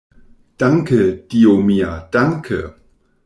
Danke, Dio mia, danke!